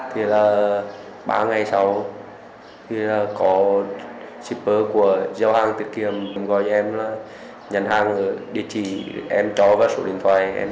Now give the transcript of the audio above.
thì là ba ngày sau thì là có shipper của giao hàng tiết kiệm gọi em là nhận hàng địa chỉ em cho vào số điện thoại